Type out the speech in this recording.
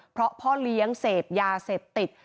เพราะพ่อเลี้ยงเสพยาเสพติด